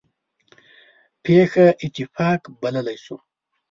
پېښه اتفاق بللی شو.